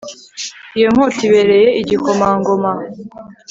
iyo nkota ibereye igikomangoma